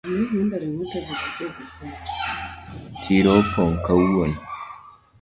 Chiro opong kawuono.